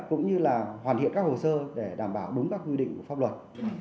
cũng như là hoàn thiện các hồ sơ để đảm bảo đúng các quy định của pháp luật